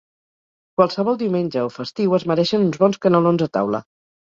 Qualsevol diumenge o festiu es mereixen uns bons canelons a taula.